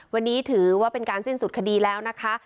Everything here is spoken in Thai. วันนี้ถือว่าเป็นการสิ้นสุดคดีแล้วนะคะ